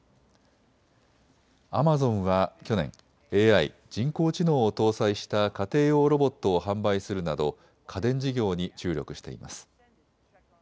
アマゾンは去年、ＡＩ・人工知能を搭載した家庭用ロボットを販売するなど家電事業に注力しています。